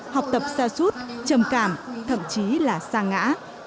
học tập xa suốt trầm cảm thậm chí là xa ngã